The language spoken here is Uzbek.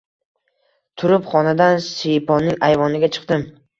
Turib, xonadan shiyponning ayvoniga chiqdim